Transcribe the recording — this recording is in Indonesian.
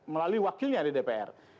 melalui wakilnya di dpr